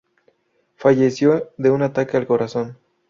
Falleció de un ataque al corazón.